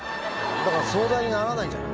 だから壮大にならないんじゃない？